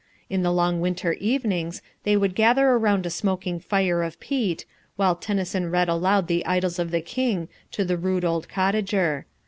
In the long winter evenings they would gather around a smoking fire of peat, while Tennyson read aloud the Idylls of the King to the rude old cottager.